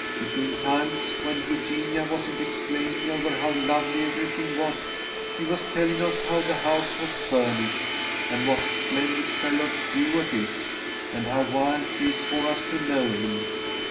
Between times when Eugenia wasn't exclaiming over how lovely everything was, she was telling us how the house was furnished, and what a splendid fellow Stuart is, and how wild she is for us to know him.